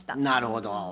なるほど。